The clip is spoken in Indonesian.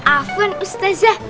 apaan ustaz jah